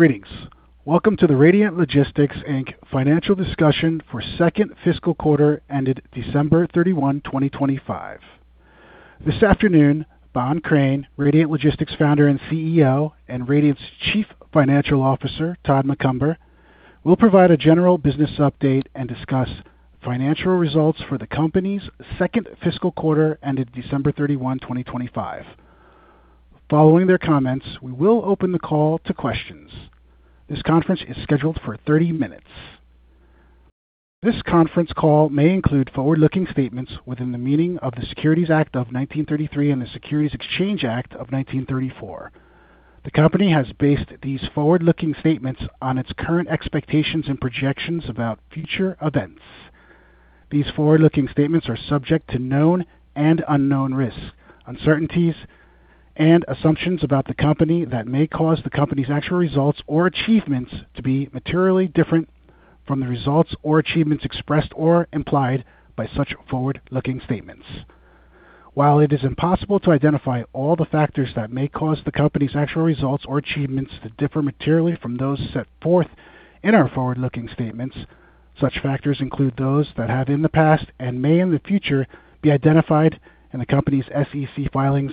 Greetings! Welcome to the Radiant Logistics Inc financial discussion for second fiscal quarter ended December 31, 2025. This afternoon, Bohn Crain, Radiant Logistics Founder and CEO, and Radiant's Chief Financial Officer, Todd Macomber, will provide a general business update and discuss financial results for the company's second fiscal quarter ended December 31, 2025. Following their comments, we will open the call to questions. This conference is scheduled for 30 minutes. This conference call may include forward-looking statements within the meaning of the Securities Act of 1933 and the Securities Exchange Act of 1934. The company has based these forward-looking statements on its current expectations and projections about future events. These forward-looking statements are subject to known and unknown risks, uncertainties, and assumptions about the company that may cause the company's actual results or achievements to be materially different from the results or achievements expressed or implied by such forward-looking statements. While it is impossible to identify all the factors that may cause the company's actual results or achievements to differ materially from those set forth in our forward-looking statements, such factors include those that have in the past and may in the future be identified in the company's SEC filings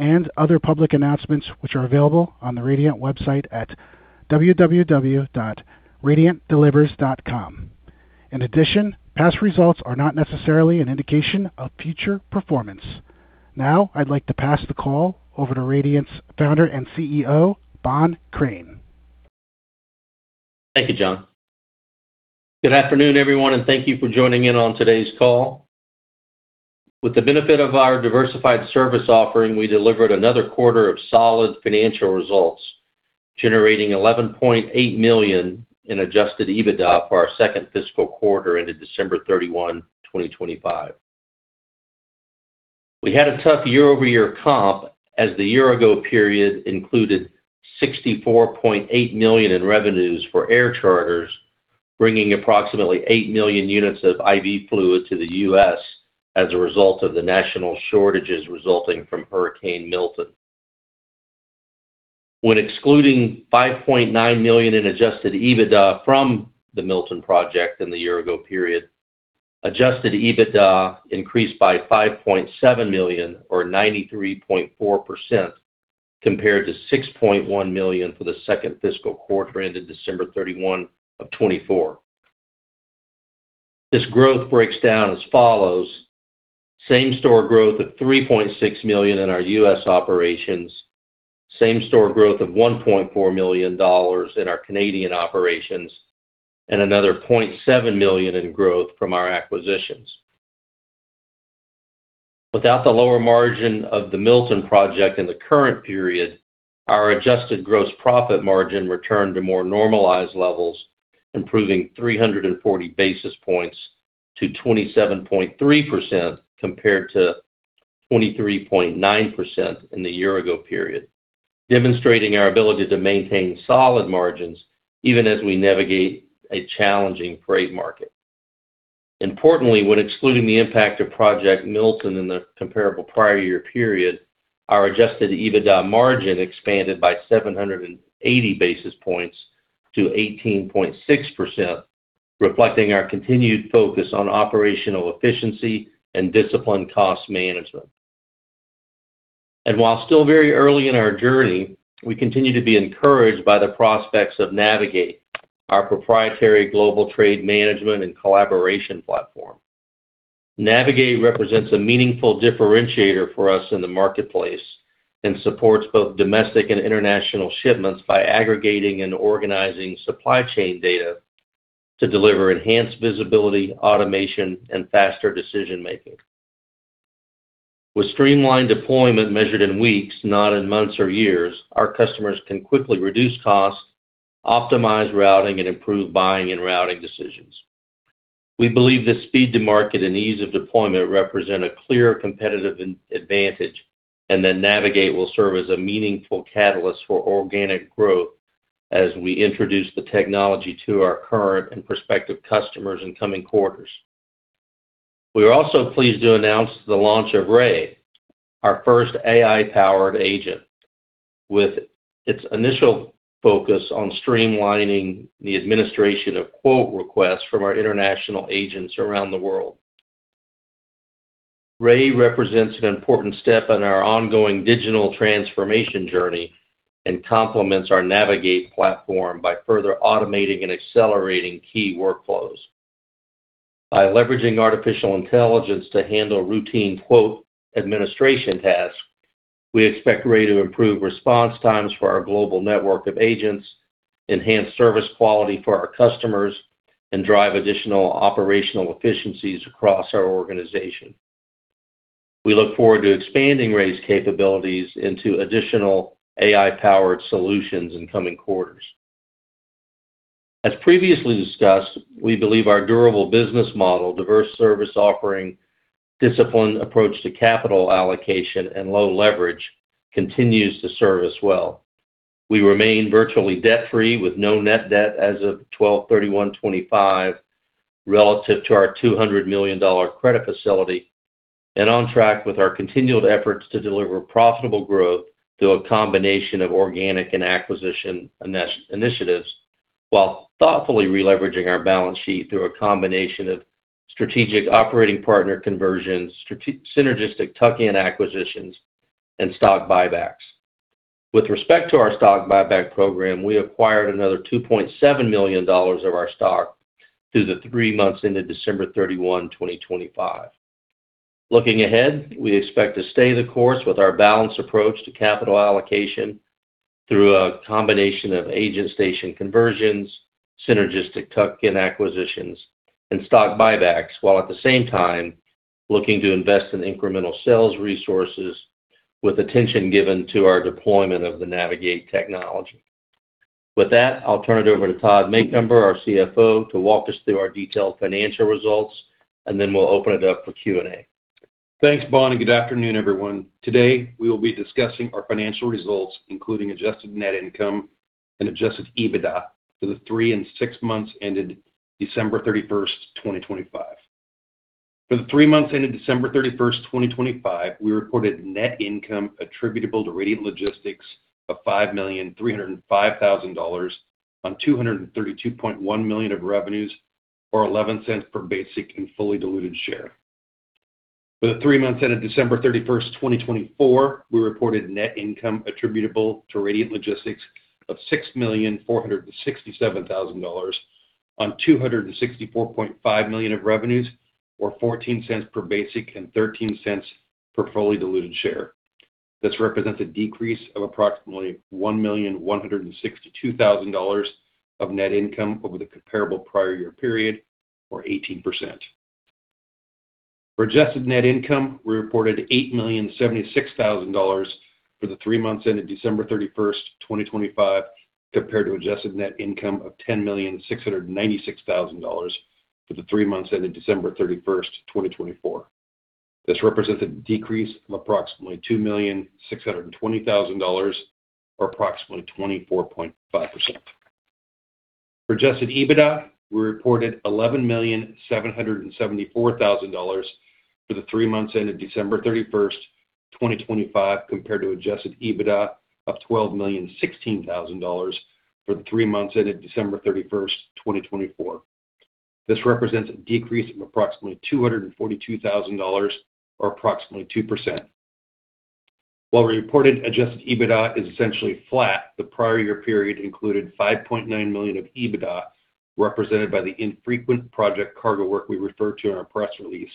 and other public announcements, which are available on the Radiant website at www.radiantdelivers.com. In addition, past results are not necessarily an indication of future performance. Now, I'd like to pass the call over to Radiant's Founder and CEO, Bohn Crain. Thank you, John. Good afternoon, everyone, and thank you for joining in on today's call. With the benefit of our diversified service offering, we delivered another quarter of solid financial results, generating $11.8 million in Adjusted EBITDA for our second fiscal quarter ended December 31, 2025. We had a tough year-over-year comp, as the year-ago period included $64.8 million in revenues for air charters, bringing approximately 8 million units of IV fluid to the U.S. as a result of the national shortages resulting from Hurricane Milton. When excluding $5.9 million in Adjusted EBITDA from Project Milton in the year-ago period, Adjusted EBITDA increased by $5.7 million, or 93.4%, compared to $6.1 million for the second fiscal quarter ended December 31, 2024. This growth breaks down as follows: same-store growth of $3.6 million in our U.S. operations, same-store growth of $1.4 million in our Canadian operations, and another $0.7 million in growth from our acquisitions. Without the lower margin of the Project Milton in the current period, our Adjusted Gross profit margin returned to more normalized levels, improving 340 basis points to 27.3%, compared to 23.9% in the year-ago period, demonstrating our ability to maintain solid margins even as we navigate a challenging freight market. Importantly, when excluding the impact of Project Milton in the comparable prior year period, our Adjusted EBITDA margin expanded by 780 basis points to 18.6%, reflecting our continued focus on operational efficiency and disciplined cost management. And while still very early in our journey, we continue to be encouraged by the prospects of Navegate, our proprietary global trade management and collaboration platform. Navegate represents a meaningful differentiator for us in the marketplace and supports both domestic and international shipments by aggregating and organizing supply chain data to deliver enhanced visibility, automation, and faster decision-making. With streamlined deployment measured in weeks, not in months or years, our customers can quickly reduce costs, optimize routing, and improve buying and routing decisions. We believe the speed to market and ease of deployment represent a clear competitive advantage, and that Navegate will serve as a meaningful catalyst for organic growth as we introduce the technology to our current and prospective customers in coming quarters. We are also pleased to announce the launch of Ray, our first AI-powered agent, with its initial focus on streamlining the administration of quote requests from our international agents around the world. Ray represents an important step in our ongoing digital transformation journey and complements our Navegate platform by further automating and accelerating key workflows. By leveraging artificial intelligence to handle routine quote administration tasks, we expect Ray to improve response times for our global network of agents, enhance service quality for our customers, and drive additional operational efficiencies across our organization. We look forward to expanding Ray's capabilities into additional AI-powered solutions in coming quarters. As previously discussed, we believe our durable business model, diverse service offering, disciplined approach to capital allocation, and low leverage continues to serve us well. We remain virtually debt-free, with no net debt as of 12/31/2025, relative to our $200 million credit facility, and on track with our continual efforts to deliver profitable growth through a combination of organic and acquisition initiatives, while thoughtfully releveraging our balance sheet through a combination of strategic operating partner conversions, synergistic tuck-in acquisitions, and stock buybacks. With respect to our stock buyback program, we acquired another $2.7 million of our stock through the three months ended December 31, 2025. Looking ahead, we expect to stay the course with our balanced approach to capital allocation through a combination of agent station conversions, synergistic tuck-in acquisitions, and stock buybacks, while at the same time looking to invest in incremental sales resources with attention given to our deployment of the Navegate technology. With that, I'll turn it over to Todd Macomber, our CFO, to walk us through our detailed financial results, and then we'll open it up for Q&A. Thanks, Bohn, and good afternoon, everyone. Today, we will be discussing our financial results, including Adjusted Net Income and Adjusted EBITDA for the three and six months ended December 31, 2025. For the three months ended December 31, 2025, we reported net income attributable to Radiant Logistics of $5,305,000 on $232.1 million of revenues, or $0.11 per basic and fully diluted share. For the three months ended December 31, 2024, we reported net income attributable to Radiant Logistics of $6,467,000 on $264.5 million of revenues, or $0.14 per basic and $0.13 per fully diluted share. This represents a decrease of approximately $1,162,000 of net income over the comparable prior year period, or 18%. For Adjusted Net Income, we reported $8,076,000 for the three months ended December 31, 2025, compared to Adjusted Net Income of $10,696,000 for the three months ended December 31, 2024. This represents a decrease of approximately $2,620,000, or approximately 24.5%. For Adjusted EBITDA, we reported $11,774,000 for the three months ended December 31, 2025, compared to Adjusted EBITDA of $12,016,000 for the three months ended December 31, 2024. This represents a decrease of approximately $242,000, or approximately 2%. While reported Adjusted EBITDA is essentially flat, the prior year period included $5.9 million of EBITDA, represented by the infrequent project cargo work we referred to in our press release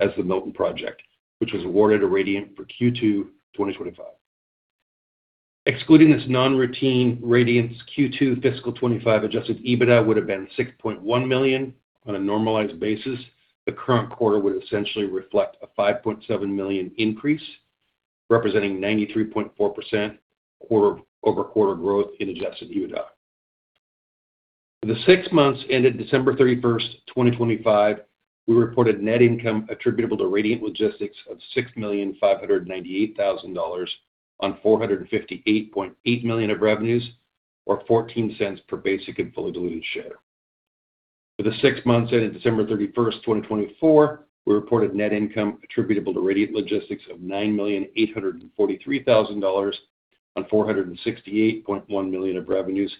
as Project Milton, which was awarded to Radiant for Q2 2025. Excluding this non-routine Radiant's Q2 fiscal 2025 Adjusted EBITDA would have been $6.1 million. On a normalized basis, the current quarter would essentially reflect a $5.7 million increase, representing 93.4% quarter-over-quarter growth in Adjusted EBITDA. For the six months ended December 31, 2025, we reported net income attributable to Radiant Logistics of $6,598,000 on $458.8 million of revenues, or $0.14 per basic and fully diluted share. For the six months ended December 31, 2024, we reported net income attributable to Radiant Logistics of $9.843 million on $468.1 million of revenues,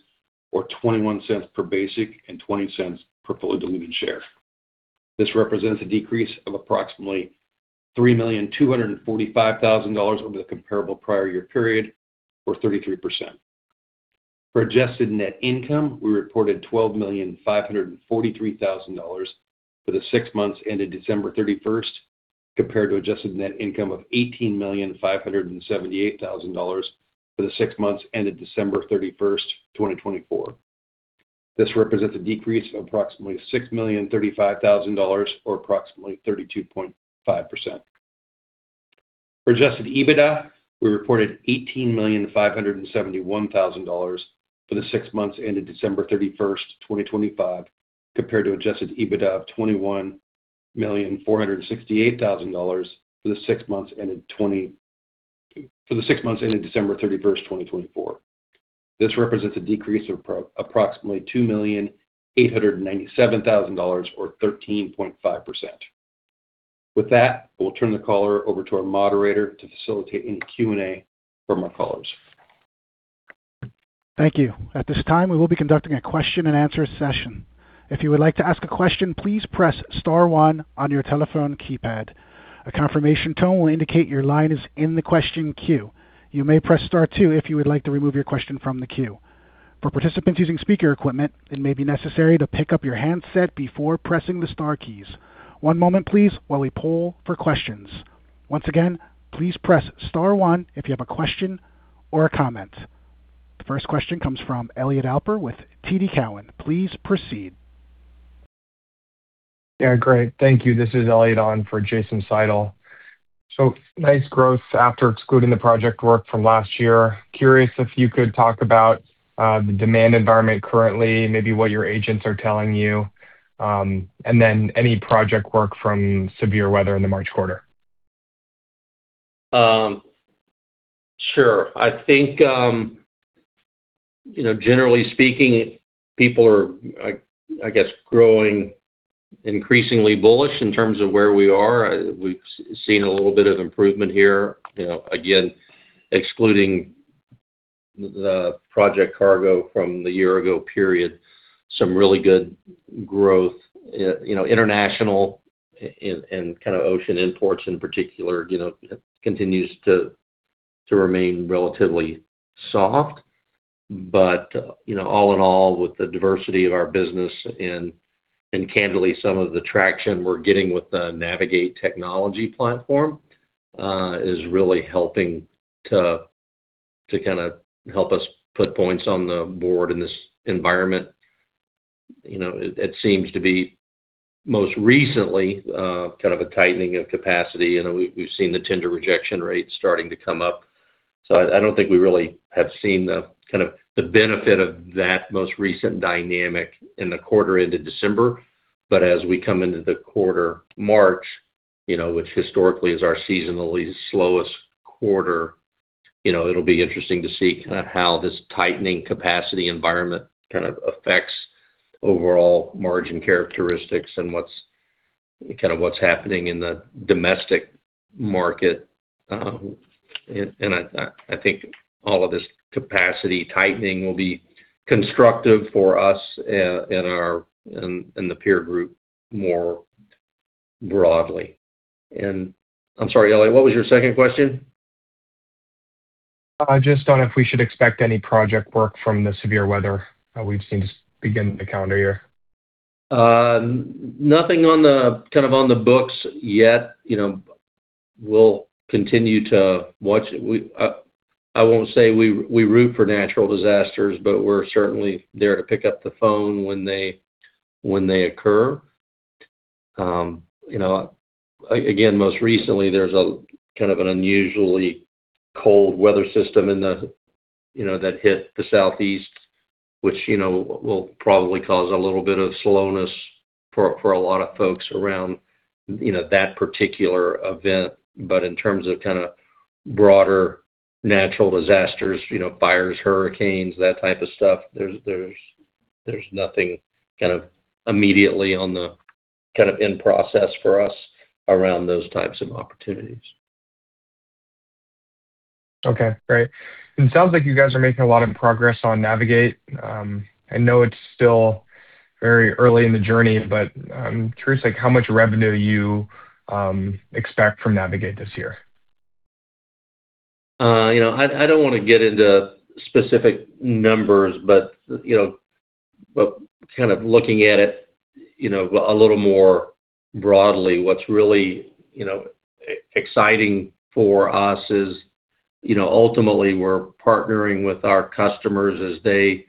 or $0.21 per basic and $0.20 per fully diluted share. This represents a decrease of approximately $3.245 million over the comparable prior year period, or 33%. For Adjusted Net Income, we reported $12.543 million for the six months ended December 31, compared to Adjusted Net Income of $18.578 million for the six months ended December 31, 2024. This represents a decrease of approximately $6.035 million, or approximately 32.5%. For Adjusted EBITDA, we reported $18.571 million for the six months ended December 31, 2025, compared to Adjusted EBITDA of $21.468 million for the six months ended December 31, 2024. This represents a decrease of approximately $2.897 million, or 13.5%. With that, we'll turn the call over to our moderator to facilitate any Q&A from our callers. Thank you. At this time, we will be conducting a question-and-answer session. If you would like to ask a question, please press star one on your telephone keypad. A confirmation tone will indicate your line is in the question queue. You may press star two if you would like to remove your question from the queue. For participants using speaker equipment, it may be necessary to pick up your handset before pressing the star keys. One moment please while we poll for questions. Once again, please press star one if you have a question or a comment. The first question comes from Elliot Alper with TD Cowen. Please proceed. Yeah, great. Thank you. This is Elliot Alper on for Jason Seidl. So nice growth after excluding the project work from last year. Curious if you could talk about the demand environment currently, maybe what your agents are telling you, and then any project work from severe weather in the March quarter. Sure. I think, you know, generally speaking, people are, I guess, growing increasingly bullish in terms of where we are. We've seen a little bit of improvement here. You know, again, excluding the project cargo from the year ago period, some really good growth. You know, international and kind of ocean imports in particular continues to remain relatively soft. But you know, all in all, with the diversity of our business and candidly, some of the traction we're getting with the Navegate technology platform is really helping to kinda help us put points on the board in this environment. It seems to be most recently kind of a tightening of capacity. You know, we've seen the tender rejection rate starting to come up, so I don't think we really have seen the kind of the benefit of that most recent dynamic in the quarter into December. But as we come into the quarter, March, you know, which historically is our seasonally slowest quarter, you know, it'll be interesting to see kinda how this tightening capacity environment kind of affects overall margin characteristics and what's kinda what's happening in the domestic market. And I think all of this capacity tightening will be constructive for us in the peer group, more broadly. And I'm sorry, Elliot, what was your second question? Just on if we should expect any project work from the severe weather we've seen to begin the calendar year? Nothing on the, kind of on the books yet. You know, we'll continue to watch. We, I won't say we, we root for natural disasters, but we're certainly there to pick up the phone when they, when they occur. You know, again, most recently, there's a kind of an unusually cold weather system in the, you know, that hit the Southeast, which, you know, will probably cause a little bit of slowness for a lot of folks around, you know, that particular event. But in terms of kinda broader natural disasters, you know, fires, hurricanes, that type of stuff, there's nothing kind of immediately on the... kind of in process for us around those types of opportunities. Okay, great. It sounds like you guys are making a lot of progress on Navegate. I know it's still very early in the journey, but, I'm curious, like, how much revenue you expect from Navegate this year? You know, I don't wanna get into specific numbers, but you know, but kind of looking at it, you know, a little more broadly, what's really, you know, exciting for us is, you know, ultimately, we're partnering with our customers as they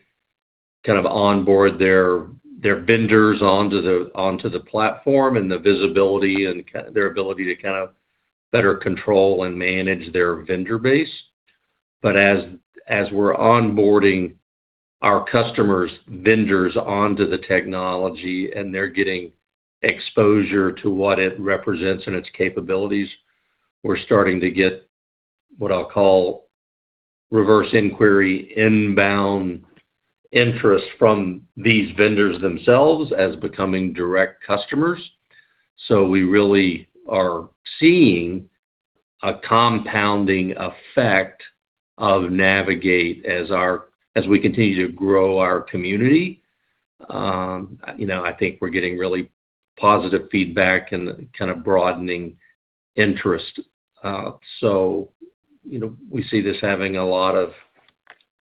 kind of onboard their, their vendors onto the, onto the platform, and the visibility and their ability to kinda better control and manage their vendor base. But as, as we're onboarding our customers' vendors onto the technology, and they're getting exposure to what it represents and its capabilities, we're starting to get, what I'll call, reverse inquiry, inbound interest from these vendors themselves as becoming direct customers. So we really are seeing a compounding effect of Navegate as we continue to grow our community. You know, I think we're getting really positive feedback and kind of broadening interest. You know, we see this having a lot of,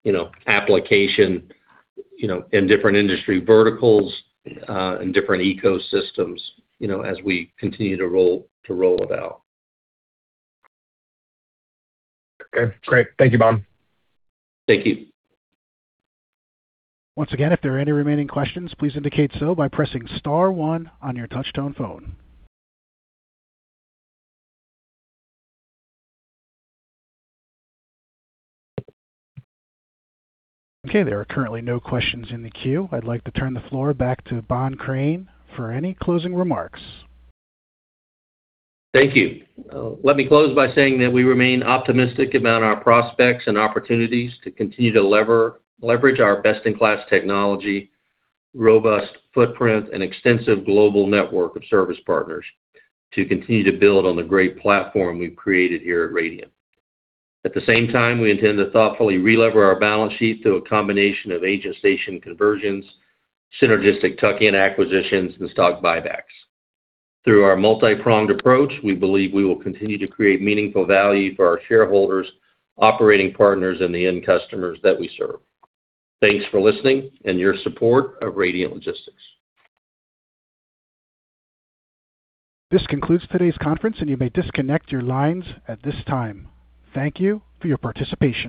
you know, application, you know, in different industry verticals, and different ecosystems, you know, as we continue to roll it out. Okay, great. Thank you, Bohn. Thank you. Once again, if there are any remaining questions, please indicate so by pressing star one on your touchtone phone. Okay, there are currently no questions in the queue. I'd like to turn the floor back to Bohn Crain for any closing remarks. Thank you. Let me close by saying that we remain optimistic about our prospects and opportunities to continue to leverage our best-in-class technology, robust footprint, and extensive global network of service partners to continue to build on the great platform we've created here at Radiant. At the same time, we intend to thoughtfully relever our balance sheet through a combination of agent station conversions, synergistic tuck-in acquisitions, and stock buybacks. Through our multipronged approach, we believe we will continue to create meaningful value for our shareholders, operating partners, and the end customers that we serve. Thanks for listening and your support of Radiant Logistics. This concludes today's conference, and you may disconnect your lines at this time. Thank you for your participation.